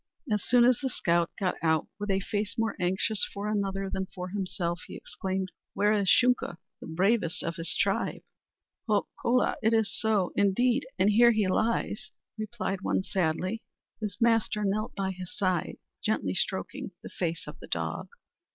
As soon as the scout got out, with a face more anxious for another than for himself, he exclaimed: "Where is Shunka, the bravest of his tribe?" "Ho, kola, it is so, indeed; and here he lies," replied one sadly. His master knelt by his side, gently stroking the face of the dog.